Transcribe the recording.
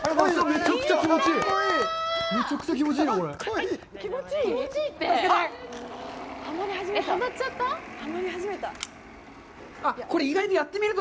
めちゃくちゃ気持ちいいなぁ、これ。